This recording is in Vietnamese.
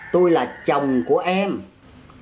tôi là chồng của em à